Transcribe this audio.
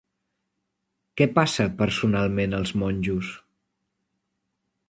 Què passà, personalment, als monjos?